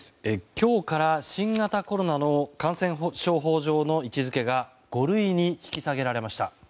今日から新型コロナの感染症法上の位置づけが５類に引き下げられました。